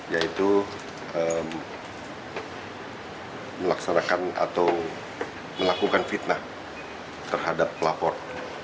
yaitu melaksanakan atau melakukan fitnah terhadap pelapor